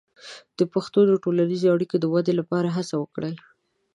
د پښتو د ټولنیزې اړیکو د ودې لپاره هڅه وکړئ.